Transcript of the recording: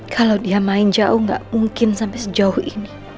kalo dia main jauh gak mungkin sampe sejauh ini